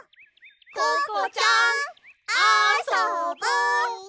ココちゃんあそぼ！